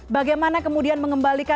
bagaimana kemudian mengembalikan